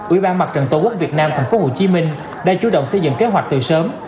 ủy ban mặt trận tổ quốc việt nam thành phố hồ chí minh đã chủ động xây dựng kế hoạch từ sớm